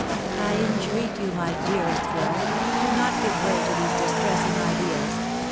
"I entreat you, my dearest girl, do not give way to these distressing ideas.